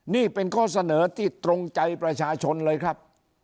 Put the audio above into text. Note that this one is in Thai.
นี่เป็นข้อเสนอที่ตรงใจประชาชนเลยครับ